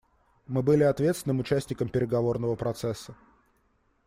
Мы были ответственным участником переговорного процесса.